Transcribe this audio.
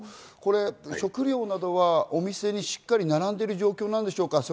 食料などはお店にしっかり並んでいる状況なんですか？